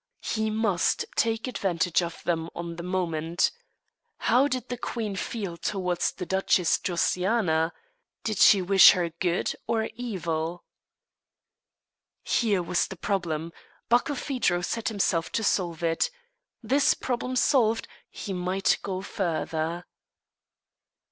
He must take advantage of them on the moment. How did the queen feel towards the Duchess Josiana? Did she wish her good or evil? Here was the problem. Barkilphedro set himself to solve it. This problem solved, he might go further.